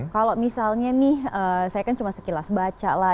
kalau misalnya nih saya kan cuma sekilas baca lah